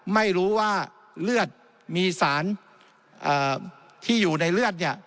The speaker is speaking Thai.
ไม่รู้ว่าเลือดมีสารที่อยู่ในเลือดเนี่ย